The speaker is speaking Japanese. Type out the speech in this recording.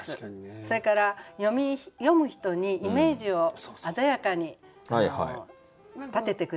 それから読む人にイメージを鮮やかに立ててくれます。